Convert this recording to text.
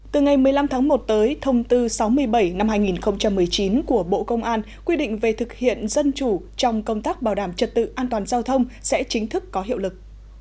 từ ngày một mươi năm tháng một tới thông tư sáu mươi bảy năm hai nghìn một mươi chín của bộ công an quy định về thực hiện dân chủ trong công tác bảo đảm trật tự an toàn giao thông sẽ chính thức có hiệu lực